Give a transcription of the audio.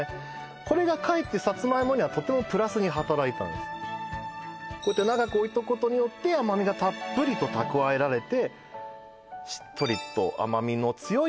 これがかえってサツマイモにはとてもプラスに働いたこうやって長く置いとくことによって甘みがたっぷりと蓄えられてしっとりと甘みの強い